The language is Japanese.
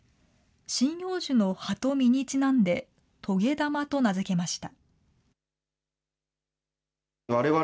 針葉樹の葉と実にちなんで、棘玉と名付けました。